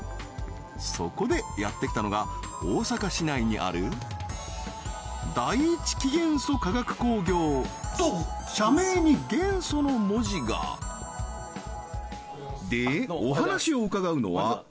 そこでやってきたのが大阪市内にある第一稀元素化学工業と社名に「元素」の文字がでお話を伺うのは國部社長